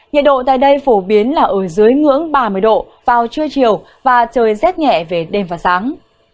nhiệt độ tại đây phổ biến là ở dưới ngưỡng ba mươi độ vào trưa chiều và trời rét nhẹ về đêm và sáng